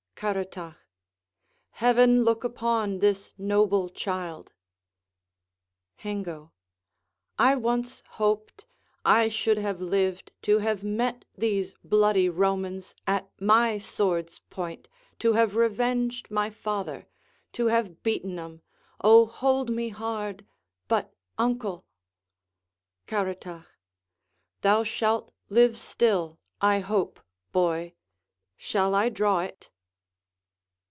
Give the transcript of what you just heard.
Caratach Heaven look upon this noble child! Hengo I once hoped I should have lived to have met these bloody Romans At my sword's point, to have revenged my father, To have beaten 'em, oh, hold me hard! but, uncle Caratach Thou shalt live still, I hope, boy. Shall I draw it?